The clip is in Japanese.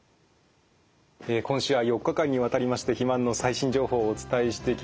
今週は４日間にわたりまして肥満の最新情報をお伝えしてきました。